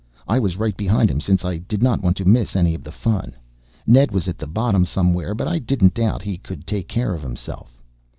I was right behind him since I did not want to miss any of the fun. Ned was at the bottom somewhere, but I didn't doubt he could take care of himself.